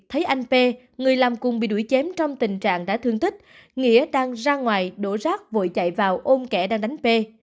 thấy anh p người làm cung bị đuổi chém trong tình trạng đã thương thích nghĩa đang ra ngoài đổ rác vội chạy vào ôm kẻ đang đánh p